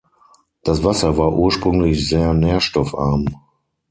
Das Wasser war ursprünglich sehr nährstoffarm.